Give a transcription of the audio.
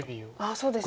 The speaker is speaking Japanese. そうですね。